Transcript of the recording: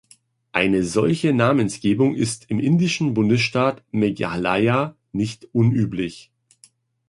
Eine solche Namensgebung ist im indischen Bundesstaat Meghalaya nicht unüblich.